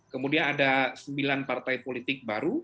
kemudian ada sembilan partai politik baru